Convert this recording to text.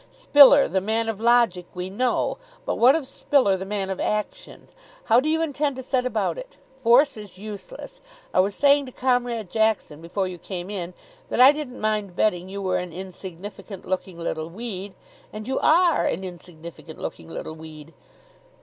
Spiller, the man of Logic, we know. But what of Spiller, the Man of Action? How do you intend to set about it? Force is useless. I was saying to Comrade Jackson before you came in, that I didn't mind betting you were an insignificant looking little weed. And you are an insignificant looking little weed."